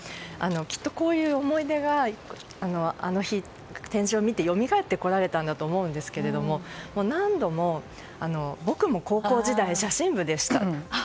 きっと、こういう思い出があの日、展示を見てよみがえってこられたと思いますが何度も僕も高校時代写真部でした。